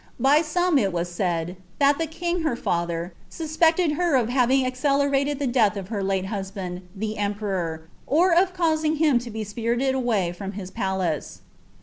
By some it was said. "^ iliac the king, her bther, suspecied b(( of having accelerated the death of her late husband, the emperor, otM (Wising him to be spirited away from his palace."